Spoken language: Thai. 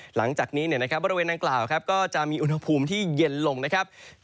หลังจากนี้เนี่ยนะครับบริเวณนางกล่าวครับก็จะมีอุณหภูมิที่เย็นลงนะครับ